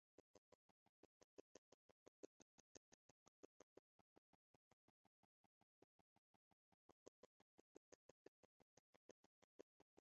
সিনেমায় তার চরিত্রের নাম ছিল চার্লস ফস্টার কেইন।